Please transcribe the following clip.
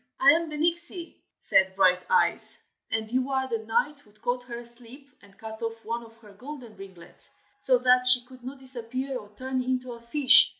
"I am the Nixie!" said Brighteyes, "and you are the knight who caught her asleep and cut off one of her golden ringlets, so that she could not disappear or turn into a fish.